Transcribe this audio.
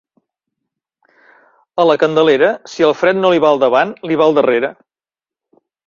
A la Candelera, si el fred no li va al davant, li va darrere.